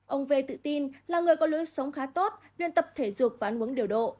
ông v tự tin là người có lối sống khá tốt nên tập thể dục và ăn uống điều độ